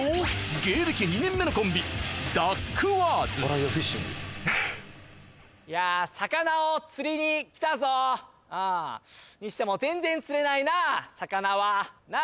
芸歴２年目のコンビいや魚を釣りに来たぞあにしても全然釣れないな魚はなあ